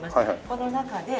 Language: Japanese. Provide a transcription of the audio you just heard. この中で。